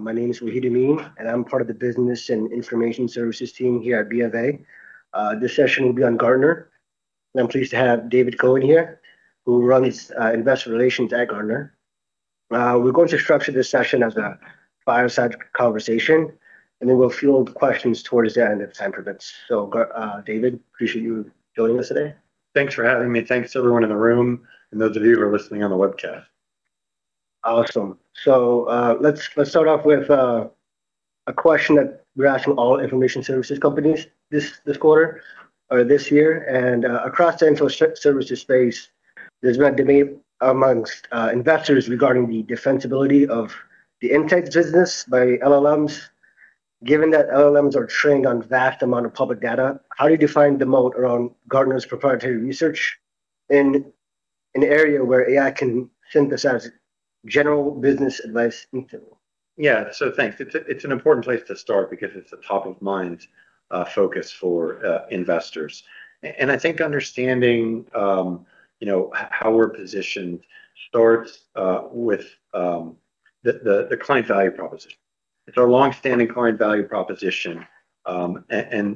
My name is Wahid Amin, and I'm part of the Business and Information Services team here at BofA. This session will be on Gartner, and I'm pleased to have David Cohen here, who runs Investor Relations at Gartner. We're going to structure this session as a fireside conversation, and then we'll field questions towards the end if time permits. David, appreciate you joining us today. Thanks for having me. Thanks everyone in the room and those of you who are listening on the webcast. Awesome. Let's start off with a question that we're asking all information services companies this quarter or this year, and across the information services space, there's been a debate among investors regarding the defensibility of the Insights business by LLMs. Given that LLMs are trained on vast amount of public data, how do you define the moat around Gartner's proprietary research in an area where AI can synthesize general business advice into them? Yeah. Thanks. It's an important place to start because it's a top of mind focus for investors. I think understanding you know how we're positioned starts with the client value proposition. It's our long-standing client value proposition and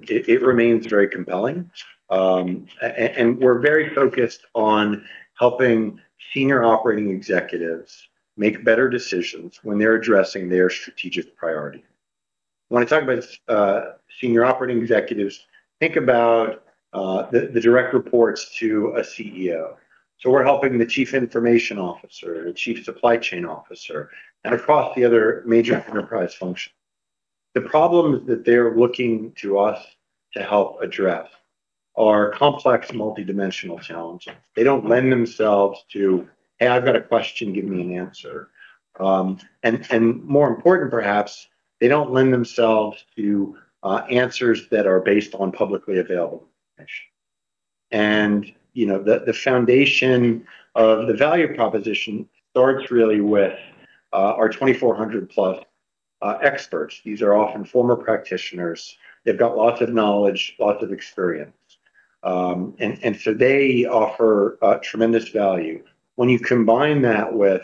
it remains very compelling. We're very focused on helping senior operating executives make better decisions when they're addressing their strategic priority. When I talk about senior operating executives, think about the direct reports to a CEO. We're helping the chief information officer, the chief supply chain officer, and across the other major enterprise functions. The problems that they're looking to us to help address are complex, multidimensional challenges. They don't lend themselves to, "Hey, I've got a question, give me an answer." and more important perhaps, they don't lend themselves to answers that are based on publicly available information. You know, the foundation of the value proposition starts really with our 2,400+ experts. These are often former practitioners. They've got lots of knowledge, lots of experience, and so they offer tremendous value. When you combine that with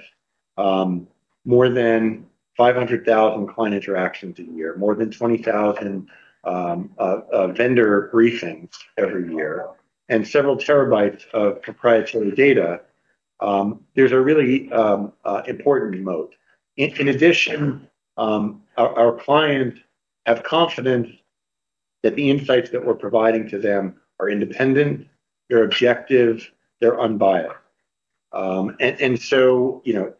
more than 500,000 client interactions a year, more than 20,000 vendor briefings every year, and several terabytes of proprietary data, there's a really important moat. In addition, our clients have confidence that the Insights that we're providing to them are independent, they're objective, they're unbiased. You know,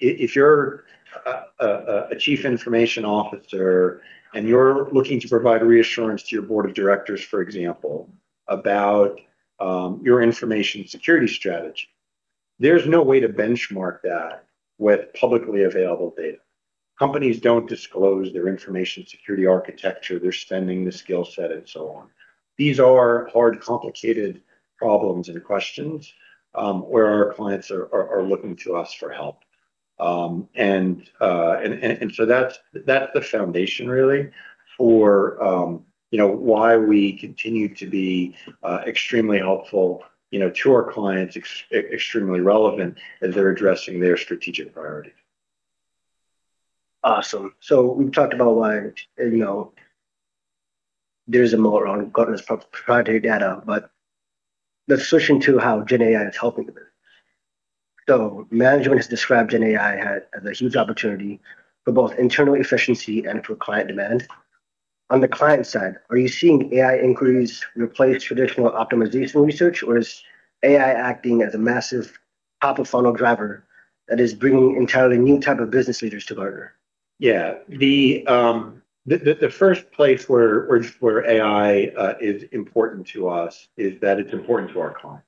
if you're a chief information officer and you're looking to provide reassurance to your board of directors, for example, about your information security strategy, there's no way to benchmark that with publicly available data. Companies don't disclose their information security architecture, their spending, the skill set, and so on. These are hard, complicated problems and questions where our clients are looking to us for help. That's the foundation really for, you know, why we continue to be extremely helpful, you know, to our clients, extremely relevant as they're addressing their strategic priorities. Awesome. We've talked about why, you know, there's a moat around Gartner's proprietary data. Let's switch into how gen AI is helping with it. Management has described gen AI as a huge opportunity for both internal efficiency and for client demand. On the client side, are you seeing AI inquiries replace traditional optimization research, or is AI acting as a massive top of funnel driver that is bringing entirely new type of business leaders to Gartner? Yeah. The first place where AI is important to us is that it's important to our clients.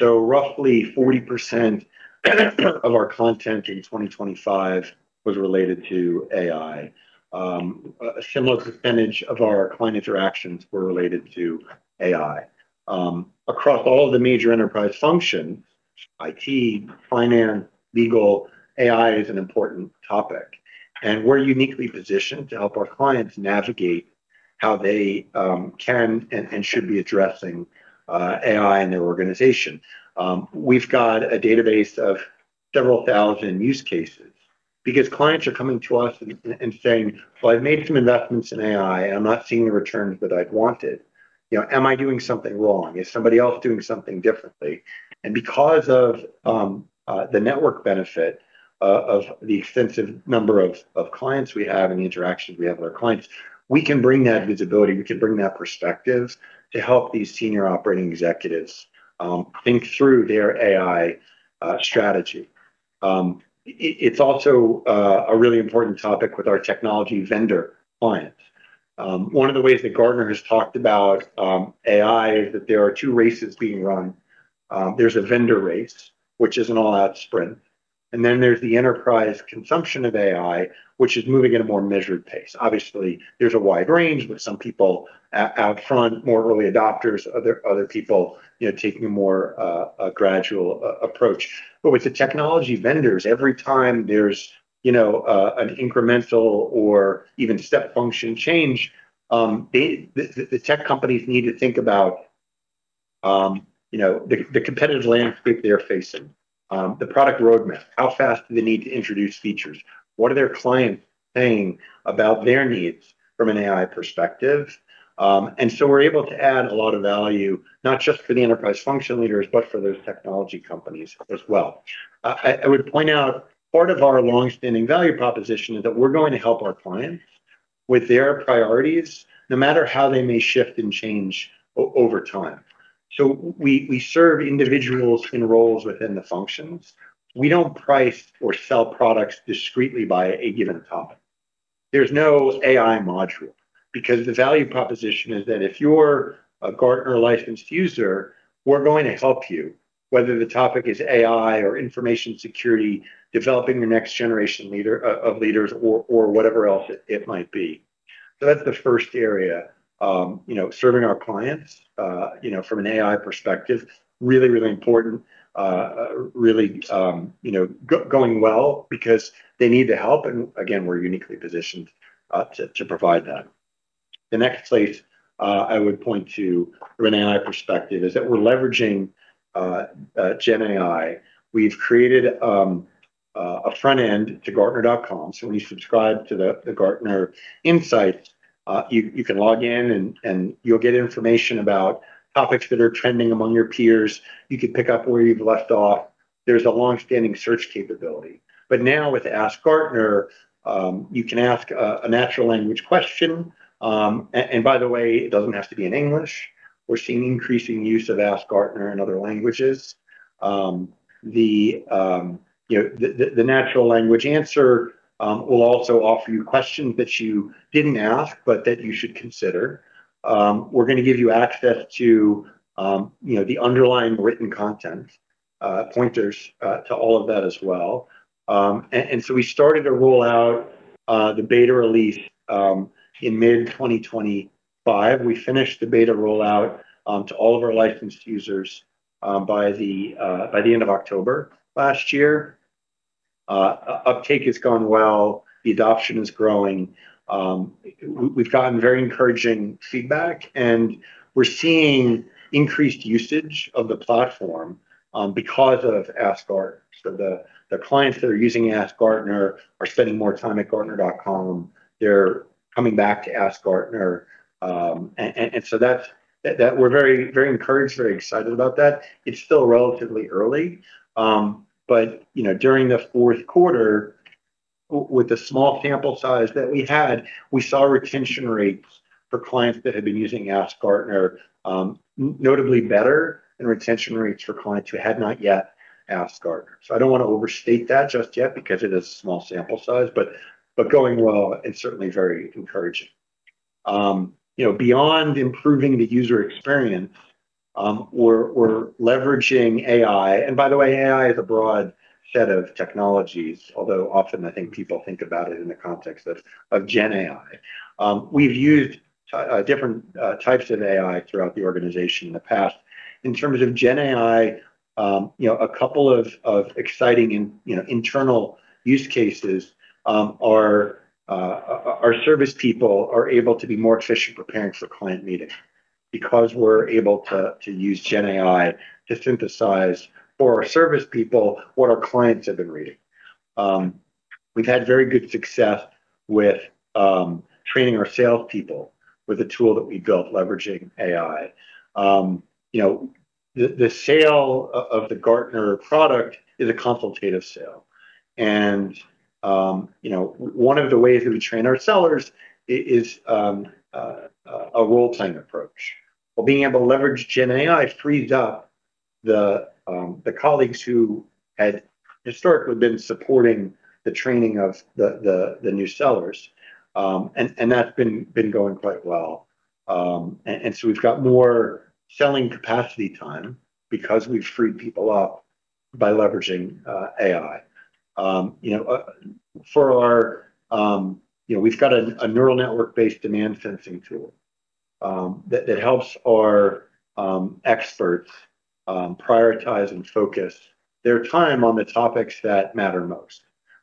Roughly 40% of our content in 2025 was related to AI. A similar percentage of our client interactions were related to AI. Across all of the major enterprise functions, IT, finance, legal, AI is an important topic, and we're uniquely positioned to help our clients navigate how they can and should be addressing AI in their organization. We've got a database of several thousand use cases because clients are coming to us and saying, "Well, I've made some investments in AI. I'm not seeing the returns that I'd wanted. You know, am I doing something wrong? Is somebody else doing something differently?" Because of the network benefit of the extensive number of clients we have and the interactions we have with our clients, we can bring that visibility, we can bring that perspective to help these senior operating executives think through their AI strategy. It's also a really important topic with our technology vendor clients. One of the ways that Gartner has talked about AI is that there are two races being run. There's a vendor race, which is an all-out sprint, and then there's the enterprise consumption of AI, which is moving at a more measured pace. Obviously, there's a wide range with some people out front, more early adopters, other people, you know, taking a more gradual approach. With the technology vendors, every time there's, you know, an incremental or even step function change, they. The tech companies need to think about you know, the competitive landscape they're facing, the product roadmap, how fast do they need to introduce features? What are their clients saying about their needs from an AI perspective? We're able to add a lot of value, not just for the enterprise function leaders, but for those technology companies as well. I would point out part of our long-standing value proposition is that we're going to help our clients with their priorities, no matter how they may shift and change over time. We serve individuals in roles within the functions. We don't price or sell products discreetly by a given topic. There's no AI module because the value proposition is that if you're a Gartner licensed user, we're going to help you, whether the topic is AI or information security, developing the next generation leader of leaders or whatever else it might be. That's the first area, you know, serving our clients, you know, from an AI perspective, really, really important, really going well because they need the help, and again, we're uniquely positioned to provide that. The next place I would point to from an AI perspective is that we're leveraging GenAI. We've created a front end to Gartner.com, so when you subscribe to the Gartner Insights, you can log in and you'll get information about topics that are trending among your peers. You can pick up where you've left off. There's a long-standing search capability. Now with AskGartner, you can ask a natural language question, and by the way, it doesn't have to be in English. We're seeing increasing use of AskGartner in other languages. You know, the natural language answer will also offer you questions that you didn't ask, but that you should consider. We're gonna give you access to, you know, the underlying written content, pointers to all of that as well. We started to roll out the beta release in mid-2025. We finished the beta rollout to all of our licensed users by the end of October last year. Uptake has gone well. The adoption is growing. We've gotten very encouraging feedback, and we're seeing increased usage of the platform because of AskGartner. The clients that are using AskGartner are spending more time at Gartner.com. They're coming back to AskGartner. We're very encouraged, very excited about that. It's still relatively early, you know, during the fourth quarter, with the small sample size that we had, we saw retention rates for clients that had been using AskGartner, notably better than retention rates for clients who had not yet used AskGartner. I don't wanna overstate that just yet because it is small sample size, but going well and certainly very encouraging. You know, beyond improving the user experience, we're leveraging AI. By the way, AI is a broad set of technologies, although often I think people think about it in the context of GenAI. We've used different types of AI throughout the organization in the past. In terms of GenAI, you know, a couple of exciting, you know, internal use cases are our service people are able to be more efficient preparing for client meetings because we're able to use GenAI to synthesize for our service people what our clients have been reading. We've had very good success with training our salespeople with a tool that we built leveraging AI. You know, the sale of the Gartner product is a consultative sale. You know, one of the ways that we train our sellers is a role-playing approach. Well, being able to leverage GenAI freed up the colleagues who had historically been supporting the training of the new sellers. That's been going quite well. We've got more selling capacity time because we've freed people up by leveraging AI. You know, we've got a neural network-based demand sensing tool that helps our experts prioritize and focus their time on the topics that matter most.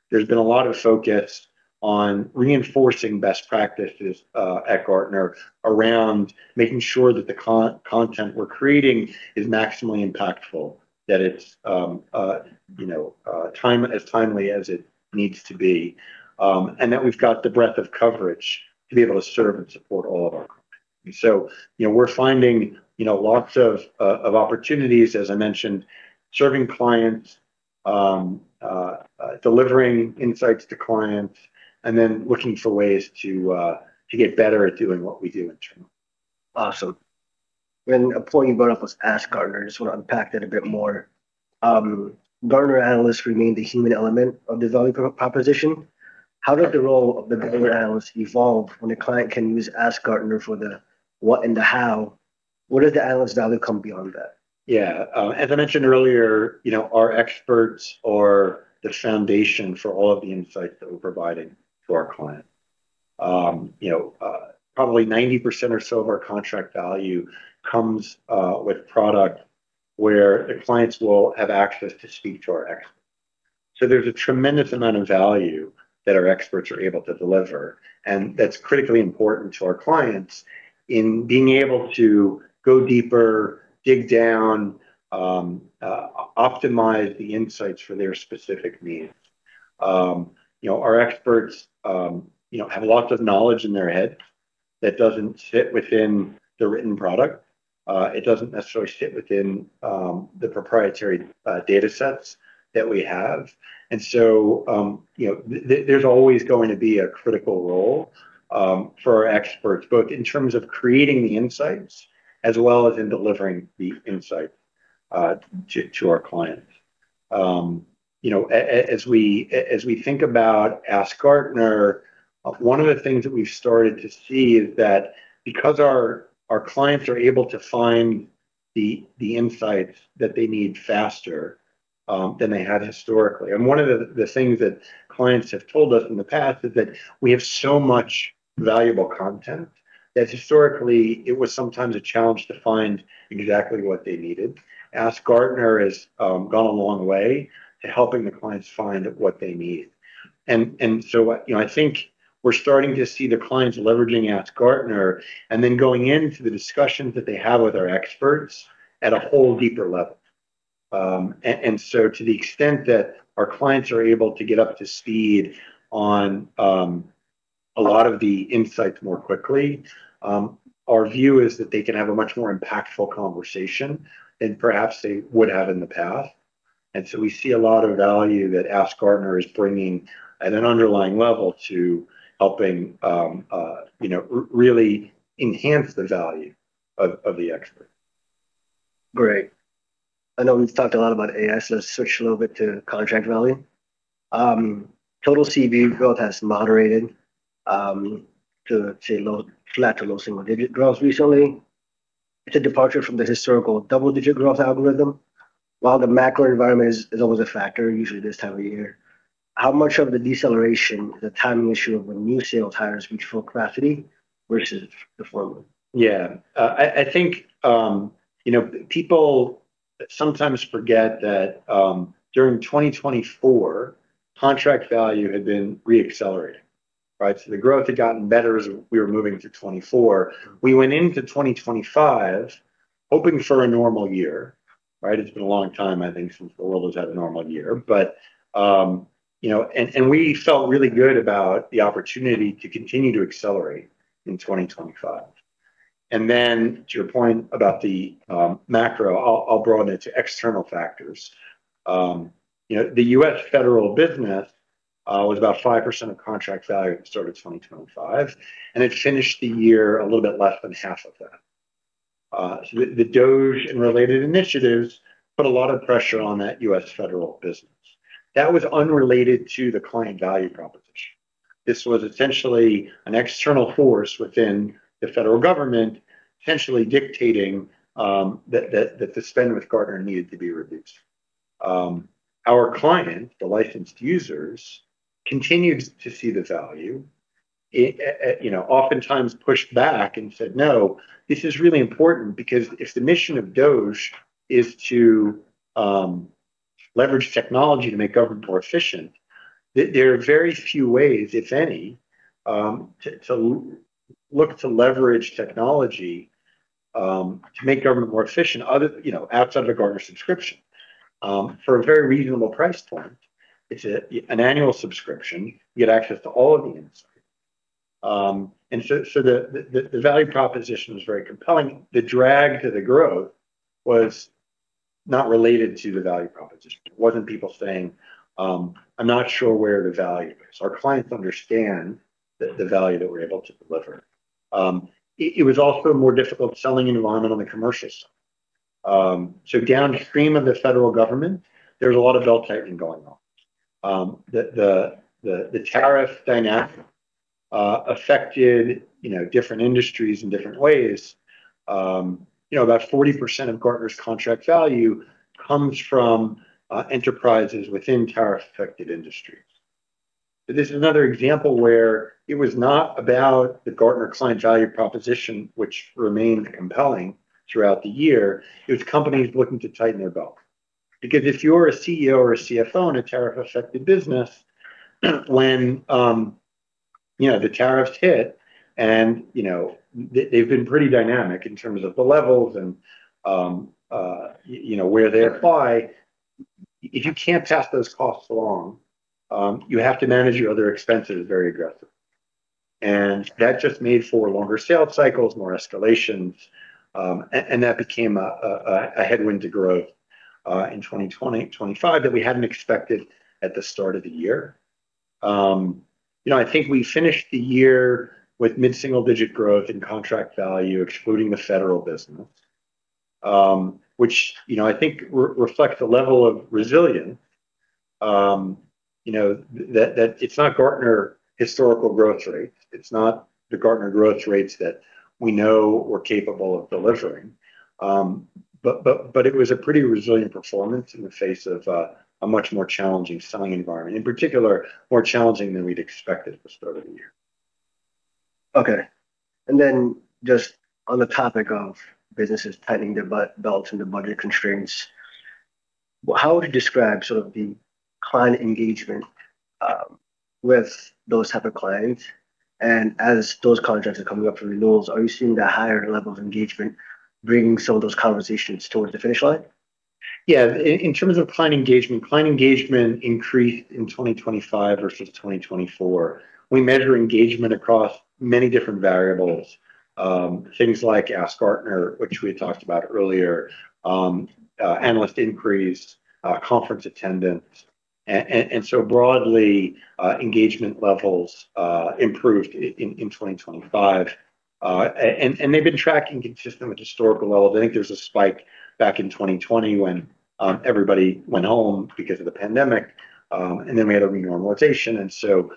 There's been a lot of focus on reinforcing best practices at Gartner around making sure that the content we're creating is maximally impactful, that it's as timely as it needs to be, and that we've got the breadth of coverage to be able to serve and support all of our clients. You know, we're finding, you know, lots of opportunities, as I mentioned, serving clients, delivering insights to clients and then looking for ways to get better at doing what we do internally. Awesome. When a point you brought up was AskGartner, I just wanna unpack that a bit more. Gartner analysts remain the human element of the value proposition. How does the role of the Gartner analyst evolve when the client can use AskGartner for the what and the how? Where does the analyst value come beyond that? Yeah. As I mentioned earlier, you know, our experts are the foundation for all of the Insights that we're providing to our clients. You know, probably 90% or so of our Contract Value comes with product where the clients will have access to speak to our experts. There's a tremendous amount of value that our experts are able to deliver, and that's critically important to our clients in being able to go deeper, dig down, optimize the Insights for their specific needs. You know, our experts, you know, have a lot of knowledge in their head that doesn't fit within the written product. It doesn't necessarily fit within the proprietary data sets that we have. You know, there's always going to be a critical role for our experts, both in terms of creating the insights as well as in delivering the insight to our clients. you know, as we think about AskGartner, one of the things that we've started to see is that because our clients are able to find the insights that they need faster than they had historically. one of the things that clients have told us in the past is that we have so much valuable content that historically it was sometimes a challenge to find exactly what they needed. AskGartner has gone a long way to helping the clients find what they need. You know, I think we're starting to see the clients leveraging AskGartner and then going into the discussions that they have with our experts at a whole deeper level. To the extent that our clients are able to get up to speed on a lot of the insights more quickly, our view is that they can have a much more impactful conversation than perhaps they would have in the past. We see a lot of value that AskGartner is bringing at an underlying level to helping you know really enhance the value of the expert. Great. I know we've talked a lot about AI, so let's switch a little bit to contract value. Total CV growth has moderated to, say, flat to low single-digit growth recently. It's a departure from the historical double-digit growth algorithm. While the macro environment is always a factor, usually this time of year, how much of the deceleration is a timing issue of when new sales hires reach full capacity versus the former? Yeah. I think, you know, people sometimes forget that, during 2024 contract value had been re-accelerating, right? The growth had gotten better as we were moving to 2024. We went into 2025 hoping for a normal year, right? It's been a long time, I think, since the world has had a normal year. You know, we felt really good about the opportunity to continue to accelerate in 2025. To your point about the macro, I'll broaden it to external factors. You know, the U.S. federal business was about 5% of contract value at the start of 2025, and it finished the year a little bit less than half of that. DOGE and related initiatives put a lot of pressure on that U.S. federal business. That was unrelated to the client value proposition. This was essentially an external force within the federal government, essentially dictating that the spend with Gartner needed to be reduced. Our client, the licensed users, continued to see the value, you know, oftentimes pushed back and said, "No, this is really important," because if the mission of DOGE is to leverage technology to make government more efficient, there are very few ways, if any, to look to leverage technology to make government more efficient other, you know, outside of the Gartner subscription. For a very reasonable price point, it's an annual subscription, you get access to all of the insight. The value proposition was very compelling. The drag to the growth was not related to the value proposition. It wasn't people saying, "I'm not sure where the value is." Our clients understand the value that we're able to deliver. It was also a more difficult selling environment on the commercial side. So downstream of the federal government, there's a lot of belt-tightening going on. The tariff dynamic affected, you know, different industries in different ways. You know, about 40% of Gartner's contract value comes from enterprises within tariff-affected industries. This is another example where it was not about the Gartner client value proposition, which remained compelling throughout the year. It was companies looking to tighten their belt. Because if you're a CEO or a CFO in a tariff-affected business, when you know, the tariffs hit and, you know, they've been pretty dynamic in terms of the levels and, you know, where they apply. If you can't pass those costs along, you have to manage your other expenses very aggressively. That just made for longer sales cycles, more escalations, and that became a headwind to growth in 2025 that we hadn't expected at the start of the year. I think we finished the year with mid-single-digit growth in contract value, excluding the federal business, which, you know, I think reflects a level of resilience, you know, that it's not Gartner historical growth rates. It's not the Gartner growth rates that we know we're capable of delivering. It was a pretty resilient performance in the face of a much more challenging selling environment, in particular, more challenging than we'd expected at the start of the year. Okay. Just on the topic of businesses tightening their budgets and the budget constraints, how would you describe sort of the client engagement with those type of clients? As those contracts are coming up for renewals, are you seeing the higher level of engagement bringing some of those conversations towards the finish line? Yeah. In terms of client engagement, client engagement increased in 2025 versus 2024. We measure engagement across many different variables. Things like AskGartner, which we had talked about earlier, analyst inquiries, conference attendance. Broadly, engagement levels improved in 2025. They've been tracking consistent with historical levels. I think there was a spike back in 2020 when everybody went home because of the pandemic. Then we had a renormalization. You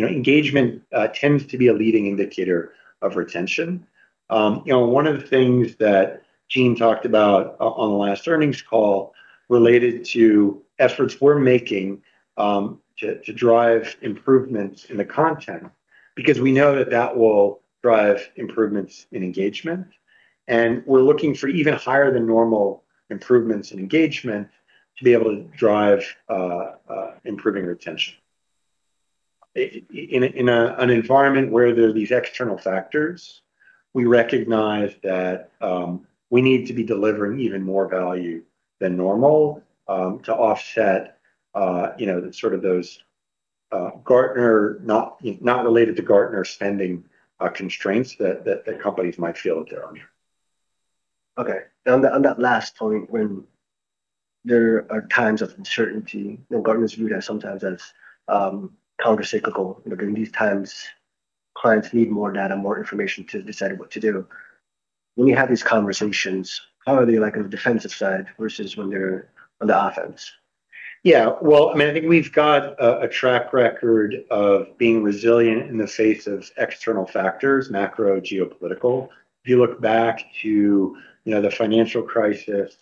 know, engagement tends to be a leading indicator of retention. You know, one of the things that Gene talked about on the last earnings call related to efforts we're making to drive improvements in the content, because we know that that will drive improvements in engagement, and we're looking for even higher than normal improvements in engagement to be able to drive improving retention. In an environment where there are these external factors, we recognize that we need to be delivering even more value than normal to offset you know, sort of those not related to Gartner spending constraints that companies might feel that they're under. Okay. Now on that last point, when there are times of uncertainty, you know, Gartner is viewed as sometimes as countercyclical. You know, during these times, clients need more data, more information to decide what to do. When you have these conversations, how are they like on the defensive side versus when they're on the offense? Yeah. Well, I mean, I think we've got a track record of being resilient in the face of external factors, macro, geopolitical. If you look back to, you know, the financial crisis,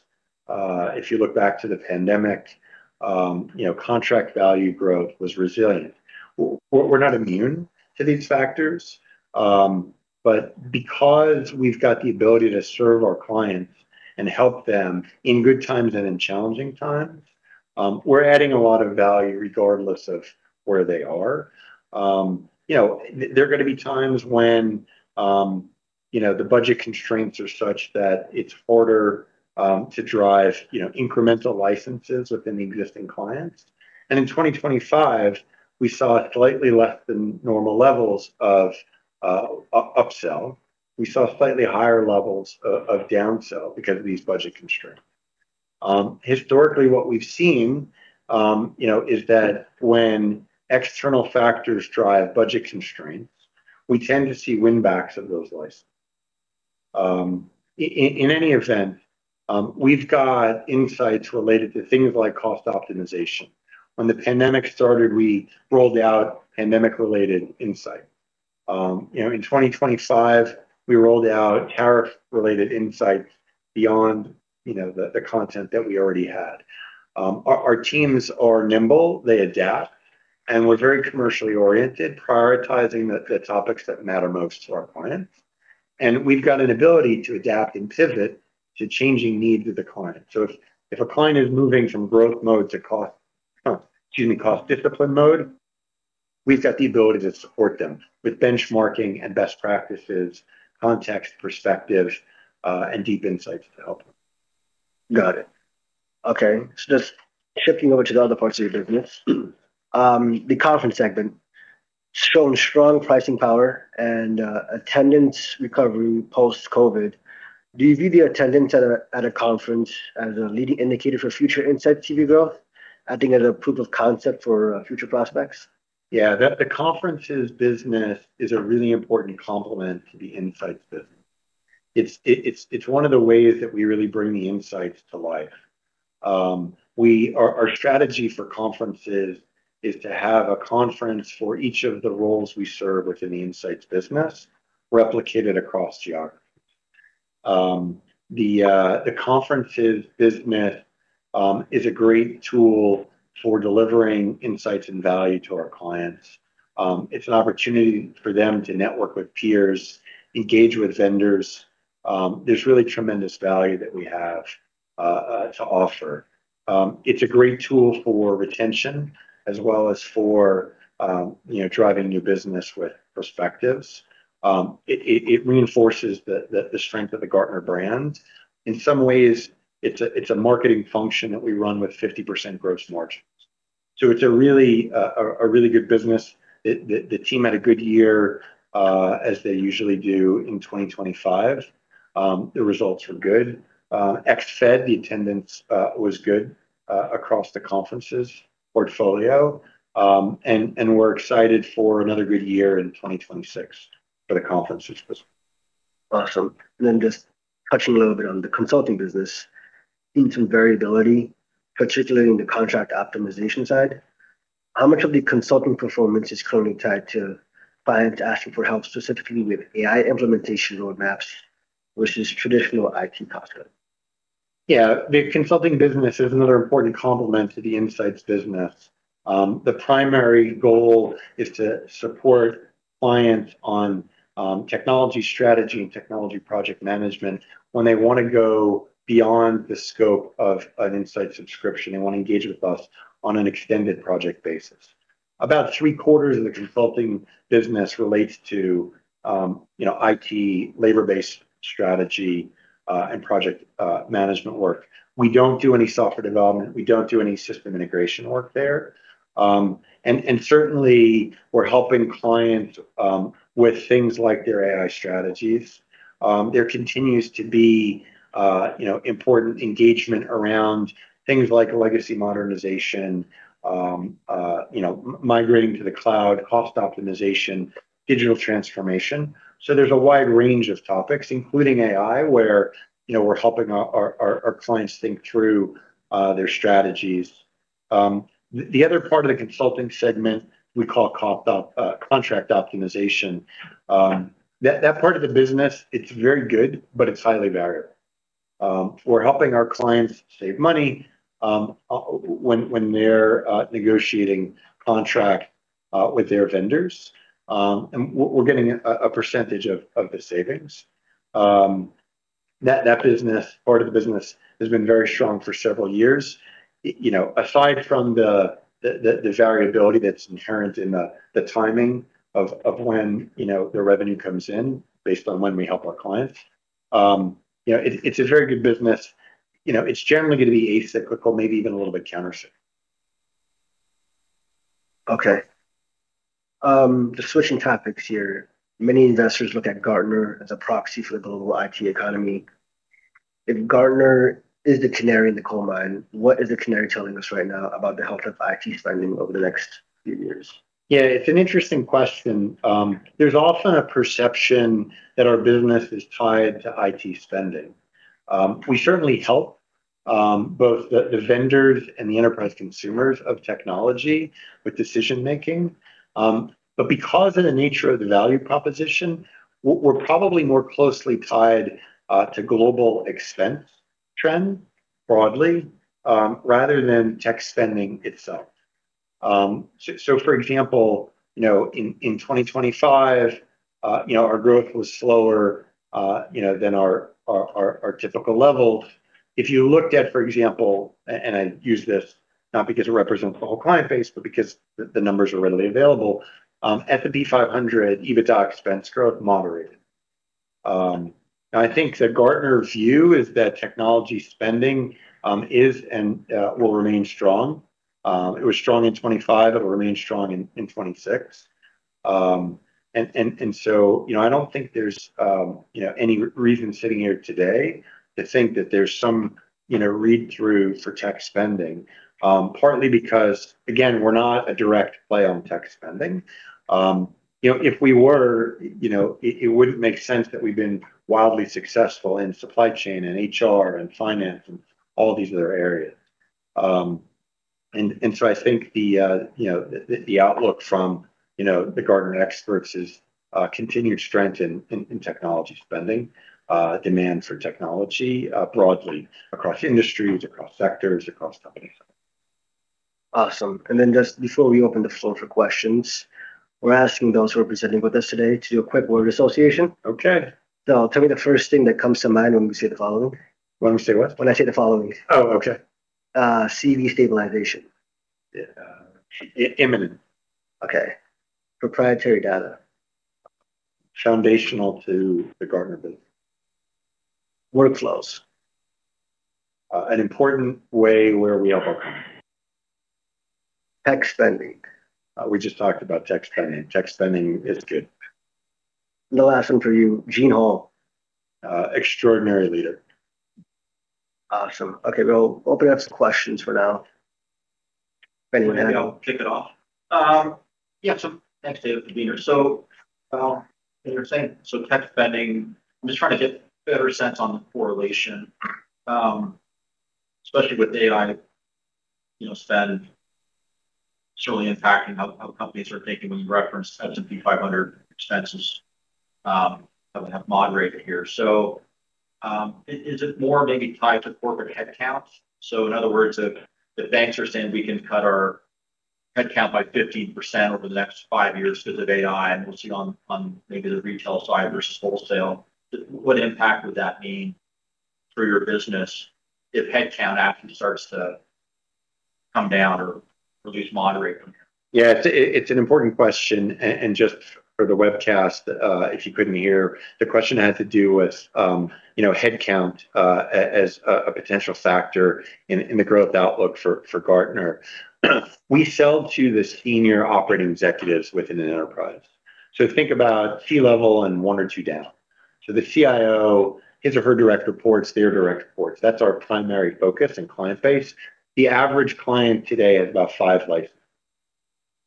if you look back to the pandemic, you know, contract value growth was resilient. We're not immune to these factors, but because we've got the ability to serve our clients and help them in good times and in challenging times, we're adding a lot of value regardless of where they are. You know, there are gonna be times when, you know, the budget constraints are such that it's harder to drive, you know, incremental licenses within the existing clients. In 2025, we saw slightly less than normal levels of upsell. We saw slightly higher levels of downsell because of these budget constraints. Historically, what we've seen, you know, is that when external factors drive budget constraints, we tend to see win backs of those licenses. In any event, we've got insights related to things like cost optimization. When the pandemic started, we rolled out pandemic-related insight. You know, in 2025, we rolled out tariff-related insights beyond, you know, the content that we already had. Our teams are nimble, they adapt, and we're very commercially oriented, prioritizing the topics that matter most to our clients. We've got an ability to adapt and pivot to changing needs of the client. If a client is moving from growth mode to cost discipline mode, we've got the ability to support them with benchmarking and best practices, context, perspectives, and deep insights to help them. Got it. Okay. Just shifting over to the other parts of your business, the conference segment has shown strong pricing power and attendance recovery post-COVID. Do you view the attendance at a conference as a leading indicator for future Insights CV growth, acting as a proof of concept for future prospects? Yeah. The conferences business is a really important complement to the Insights business. It's one of the ways that we really bring the insights to life. Our strategy for conferences is to have a conference for each of the roles we serve within the Insights business replicated across geographies. The conferences business is a great tool for delivering insights and value to our clients. It's an opportunity for them to network with peers, engage with vendors. There's really tremendous value that we have to offer. It's a great tool for retention as well as for, you know, driving new business with perspectives. It reinforces the strength of the Gartner brand. In some ways, it's a marketing function that we run with 50% gross margins. It's a really good business. The team had a good year as they usually do in 2025. The results were good. Ex-Fed, the attendance was good across the conferences portfolio. We're excited for another good year in 2026 for the conferences business. Awesome. Just touching a little bit on the consulting business, seen some variability, particularly in the Contract Optimization side. How much of the consulting performance is currently tied to clients asking for help, specifically with AI implementation roadmaps versus traditional IT consult? Yeah. The consulting business is another important complement to the Insights business. The primary goal is to support clients on technology strategy and technology project management when they want to go beyond the scope of an Insights subscription. They want to engage with us on an extended project basis. About three-quarters of the consulting business relates to you know, IT labor-based strategy and project management work. We don't do any software development. We don't do any system integration work there. Certainly we're helping clients with things like their AI strategies. There continues to be you know, important engagement around things like legacy modernization you know, migrating to the cloud, cost optimization, digital transformation. There's a wide range of topics, including AI, where you know, we're helping our clients think through their strategies. The other part of the consulting segment we call Contract Optimization. That part of the business, it's very good, but it's highly variable. We're helping our clients save money when they're negotiating contract with their vendors, and we're getting a percentage of the savings. Part of the business has been very strong for several years. You know, aside from the variability that's inherent in the timing of when, you know, the revenue comes in based on when we help our clients, you know, it's a very good business. You know, it's generally gonna be as cyclical, maybe even a little bit counter-cyclical. Okay. Just switching topics here. Many investors look at Gartner as a proxy for the global IT economy. If Gartner is the canary in the coal mine, what is the canary telling us right now about the health of IT spending over the next few years? Yeah, it's an interesting question. There's often a perception that our business is tied to IT spending. We certainly help both the vendors and the enterprise consumers of technology with decision-making. But because of the nature of the value proposition, we're probably more closely tied to global expense trend broadly, rather than tech spending itself. So for example, you know, in 2025, you know, our growth was slower, you know, than our typical level. If you looked at, for example, I use this not because it represents the whole client base, but because the numbers are readily available, S&P 500 EBITDA expense growth moderated. I think the Gartner view is that technology spending is and will remain strong. It was strong in 2025. It will remain strong in 2026. You know, I don't think there's you know, any reason sitting here today to think that there's some you know, read-through for tech spending, partly because, again, we're not a direct play on tech spending. You know, if we were, you know, it wouldn't make sense that we've been wildly successful in supply chain and HR and finance and all these other areas. I think the you know, the outlook from you know, the Gartner experts is continued strength in technology spending, demand for technology broadly across industries, across sectors, across companies. Awesome. Just before we open the floor for questions, we're asking those who are presenting with us today to do a quick word association. Okay. Tell me the first thing that comes to mind when we say the following. When we say what? When I say the following. Oh, okay. CV stabilization. Imminent. Okay. Proprietary data. Foundational to the Gartner business. Workflows. An important way where we help our clients. Tech spending. We just talked about tech spending. Tech spending is good. The last one for you, Gene Hall. Extraordinary leader. Awesome. Okay. We'll open up some questions for now. If anyone has any. Maybe I'll kick it off. Yeah. Thanks, Dave, for being here. As you were saying, so tech spending, I'm just trying to get a better sense on the correlation, especially with AI, you know, spend certainly impacting how companies are thinking when you referenced S&P 500 expenses, that we have moderated here. Is it more maybe tied to corporate headcounts? In other words, if the banks are saying we can cut our headcount by 15% over the next five years because of AI, and we'll see on maybe the retail side versus wholesale, what impact would that mean for your business if headcount actually starts to come down or at least moderate from here? Yeah. It's an important question. Just for the webcast, if you couldn't hear, the question had to do with you know, headcount as a potential factor in the growth outlook for Gartner. We sell to the senior operating executives within an enterprise. Think about C-level and one or two down. The CIO, his or her direct reports, their direct reports, that's our primary focus and client base. The average client today has about five licenses.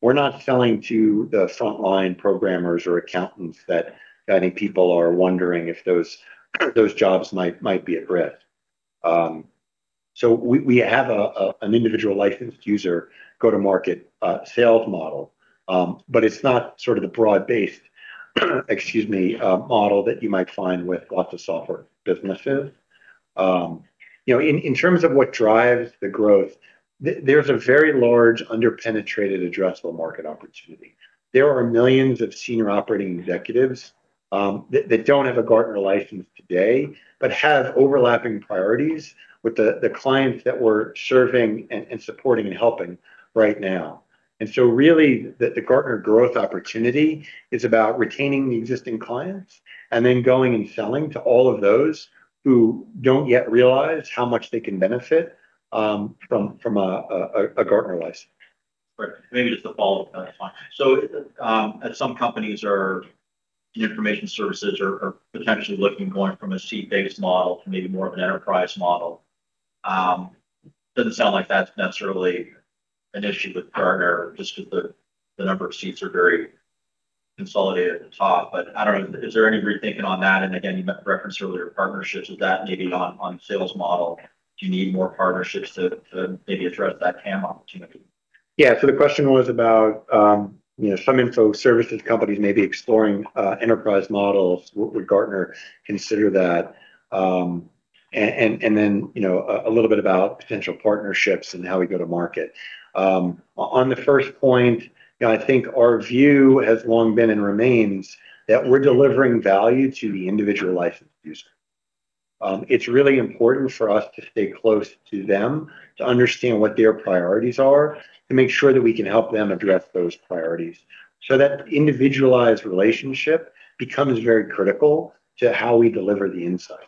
We're not selling to the frontline programmers or accountants that many people are wondering if those jobs might be at risk. We have an individual licensed user go-to-market sales model. It's not sort of the broad-based, excuse me, model that you might find with lots of software businesses. You know, in terms of what drives the growth, there's a very large under-penetrated addressable market opportunity. There are millions of senior operating executives that don't have a Gartner license today but have overlapping priorities with the clients that we're serving and supporting and helping right now. Really, the Gartner growth opportunity is about retaining the existing clients and then going and selling to all of those who don't yet realize how much they can benefit from a Gartner license. Right. Maybe just a follow-up on that. As some companies are information services or potentially looking more from a seat-based model to maybe more of an enterprise model, doesn't sound like that's necessarily an issue with Gartner just 'cause the number of seats are very consolidated at the top. I don't know, is there any rethinking on that? Again, you referenced earlier partnerships. Is that maybe on sales model? Do you need more partnerships to maybe address that TAM opportunity? Yeah. The question was about, you know, some info services companies may be exploring, enterprise models. Would Gartner consider that? Then, you know, a little bit about potential partnerships and how we go to market. On the first point, you know, I think our view has long been and remains that we're delivering value to the individual licensed user. It's really important for us to stay close to them to understand what their priorities are, to make sure that we can help them address those priorities. That individualized relationship becomes very critical to how we deliver the insight.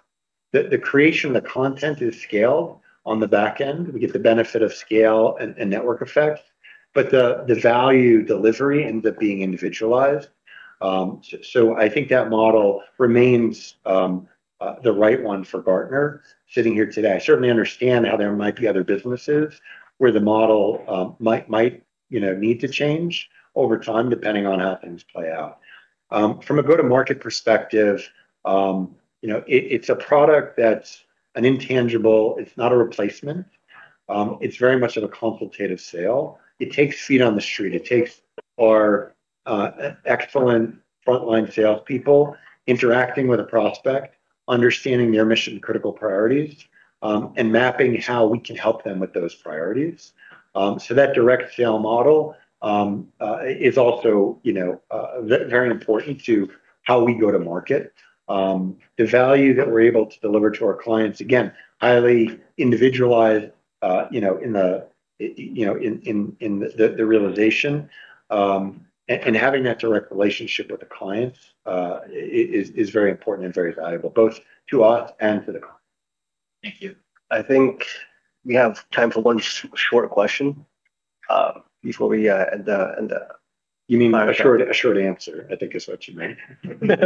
The creation of the content is scaled on the back end. We get the benefit of scale and network effects, but the value delivery ends up being individualized. I think that model remains the right one for Gartner sitting here today. I certainly understand how there might be other businesses where the model might you know need to change over time depending on how things play out. From a go-to-market perspective, you know, it it's a product that's an intangible. It's not a replacement. It's very much of a consultative sale. It takes feet on the street. It takes our excellent frontline salespeople interacting with a prospect, understanding their mission-critical priorities, and mapping how we can help them with those priorities. That direct sale model is also you know very important to how we go to market. The value that we're able to deliver to our clients, again, highly individualized, you know, in the realization. Having that direct relationship with the clients is very important and very valuable both to us and to the client. Thank you. I think we have time for one short question before we end. You mean a short answer, I think is what you mean.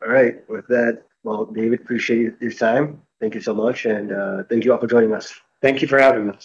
All right. With that, well, David, appreciate your time. Thank you so much, and thank you all for joining us. Thank you for having us.